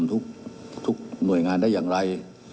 ทุกหน่วยงานได้อย่างไร